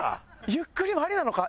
ゆっくりもありなのか？